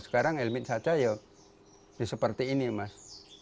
sekarang ilmid saja ya seperti ini mas